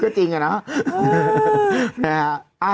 คือจริงน่ะเนอะ